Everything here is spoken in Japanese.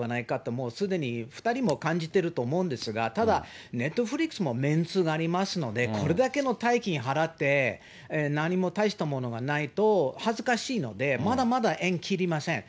もうすでに２人も感じてると思うんですが、ただ、ネットフリックスもメンツがありますので、これだけの大金払って、何も大したものがないと、恥ずかしいので、まだまだ縁切りません。